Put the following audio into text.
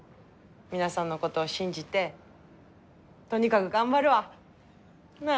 皆さんのことを信じてとにかく頑張るわ。なあ？